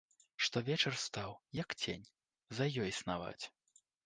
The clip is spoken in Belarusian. Штовечар стаў, як цень, за ёй снаваць.